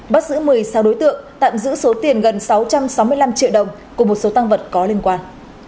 bắt giữ một mươi sáu đối tượng tạm giữ số tiền gần sáu trăm sáu mươi năm triệu đồng cùng một số tăng vật có liên quan